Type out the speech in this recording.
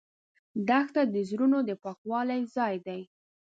دښته د زړونو د پاکوالي ځای ده.